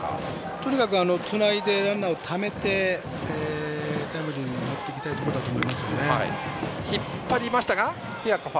とにかくつないでランナーをためてタイムリーに持っていきたいところだと思います。